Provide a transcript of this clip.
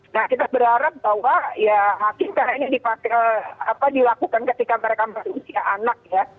nah kita berharap bahwa ya kita ini dilakukan ketika mereka berusia anak ya